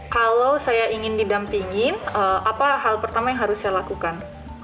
kalau saya ingin didampingin apa hal pertama yang harus saya lakukan